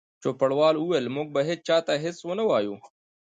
چوپړوال وویل: موږ به هیڅ چا ته هیڅ ونه وایو.